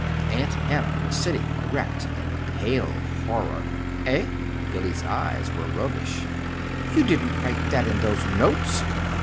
Aunt Hannah was sitting erect in pale horror. "Eh?" Billy's eyes were roguish. "You didn't write that in those notes!"